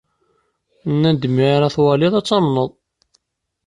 Nnan-d mi ara twaliḍ, ad tamneḍ.